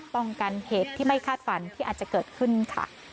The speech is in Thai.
ป้องกันเหตุที่ไม่คาดฝันที่อาจจะเกิดขึ้นค่ะ